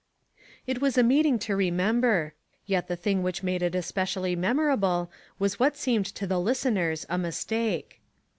It was a meeting to remember, yet the thing which made it especially memorable was what seemed to the listeners a mistake.